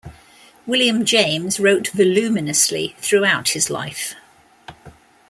William James wrote voluminously throughout his life.